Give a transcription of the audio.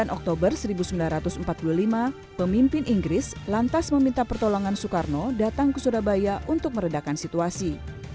sembilan oktober seribu sembilan ratus empat puluh lima pemimpin inggris lantas meminta pertolongan soekarno datang ke surabaya untuk meredakan situasi